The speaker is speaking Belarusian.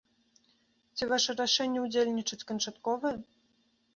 Ці ваша рашэнне ўдзельнічаць канчатковае?